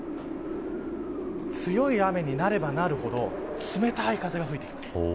強い雨になればなるほど冷たい風が吹いてきます。